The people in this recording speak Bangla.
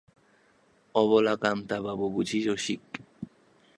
অবলাকান্তবাবু বুঝি– রসিক।